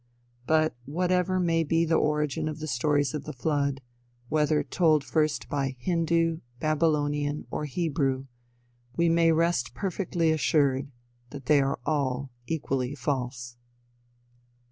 But whatever may be the origin of the stories of the flood, whether told first by Hindu, Babylonian or Hebrew, we may rest perfectly assured that they are all equally false.